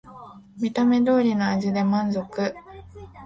見た目通りの味で満足